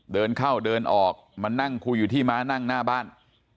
เดินเข้าเดินออกมานั่งคุยอยู่ที่ม้านั่งหน้าบ้าน